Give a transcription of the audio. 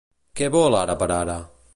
Què vol ara per ara?